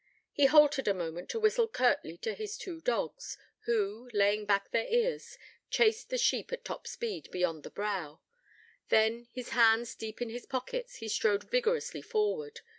He halted a moment to whistle curtly to his two dogs, who, laying back their ears, chased the sheep at top speed beyond the brow; then, his hands deep in his pockets, he strode vigorously forward.